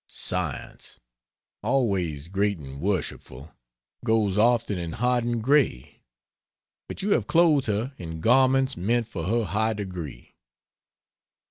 Science, always great and worshipful, goes often in hodden grey, but you have clothed her in garments meet for her high degree.